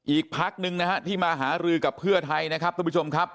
อีกพักหนึ่งนะฮะที่มาหารือกับเพื่อไทยนะครับทุกผู้ชมครับ